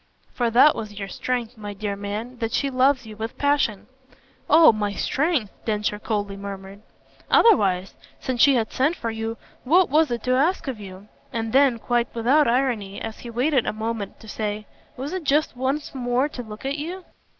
For that was your strength, my dear man that she loves you with passion." "Oh my 'strength'!" Densher coldly murmured. "Otherwise, since she had sent for you, what was it to ask of you?" And then quite without irony as he waited a moment to say: "Was it just once more to look at you?"